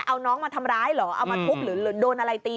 เอาน้องมาทำร้ายเหรอเอามาทุบหรือโดนอะไรตี